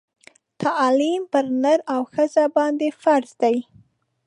تعلیم پر نر او ښځه باندي فرض دی